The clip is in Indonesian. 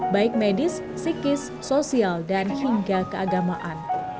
baik medis psikis sosial dan hingga keagamaan